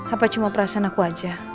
apa cuma perasaan aku aja